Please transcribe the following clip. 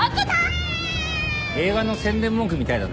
映画の宣伝文句みたいだね。